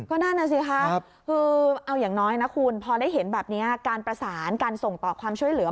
ก็นั่นน่ะสิคะคือเอาอย่างน้อยนะคุณพอได้เห็นแบบนี้การประสานการส่งต่อความช่วยเหลือ